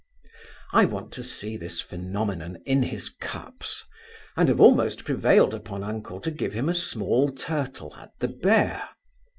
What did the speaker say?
I want to see this phenomenon in his cups; and have almost prevailed upon uncle to give him a small turtle at the Bear.